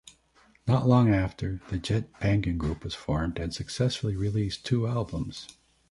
Not long after, the Jett Pangan Group was formed and successfully released two albums.